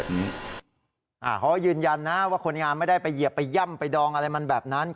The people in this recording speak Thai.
เขายืนยันว่าคนยามไม่ได้อย่ำหรือแหลม